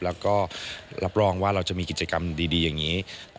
แล้วก็รับรองว่าเราจะมีกิจกรรมดีอย่างนี้